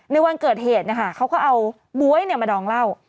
ในวันเกิดเหตุนะคะเขาก็เอาบ๊วยมาดองเหล้า